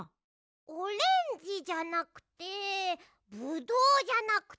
オレンジじゃなくてブドウじゃなくて。